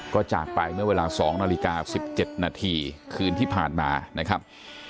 ก็จากไปเมื่อเวลา๒นาฬิกา๑๗นาทีคืนที่ผ่านมานะครับ